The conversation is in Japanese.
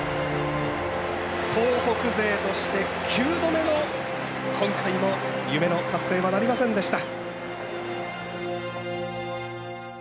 東北勢として９度目の今回も夢の達成はなりませんでした。